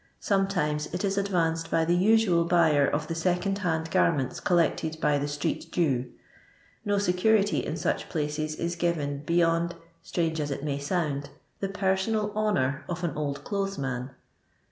Sometimes it is advanced by the usual buyer of the second hand garments collected by the street Jew. No security in such cases is given beyond — strange as it may sound — the personal honour of an old clothes man